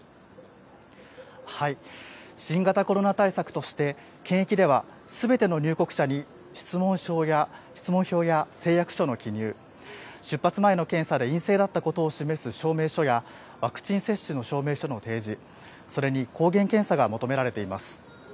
新型コロナ対策として、検疫では、すべての入国者に質問票や誓約書の記入、出発前の検査で陰性だったことを示す証明書や、ワクチン接種の証明書の提示、それに抗原検査が求められています。